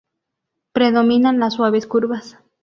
Predominan las suaves curvas.